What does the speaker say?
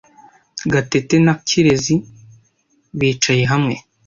Gatete na Kirezi bicaye hamwe.